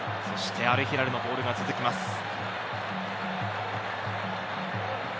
そしてアルヒラルのボールが続きます。